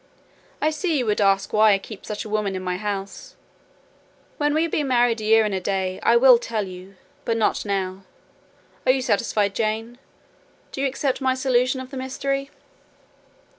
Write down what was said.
I see you would ask why I keep such a woman in my house: when we have been married a year and a day, I will tell you; but not now. Are you satisfied, Jane? Do you accept my solution of the mystery?"